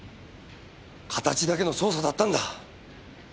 形だけの捜査だったんだ。